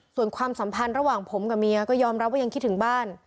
ส่วนความสัมพันธ์ระหว่างผมกับเมียก็ยอมรับว่ายังคิดถึงบ้าน